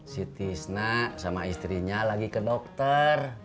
si tisnak sama istrinya lagi ke dokter